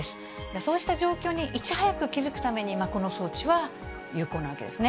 そうした状況にいち早く気付くためにこの装置は有効なわけですね。